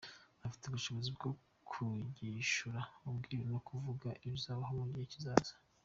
Ifite ubushobozi bwo guhishura ubwiru no kuvuga ibizabaho mu gihe kizaza.